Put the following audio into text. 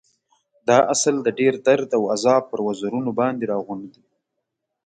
دا عسل د ډېر درد او عذاب پر وزرونو باندې راغونډ دی.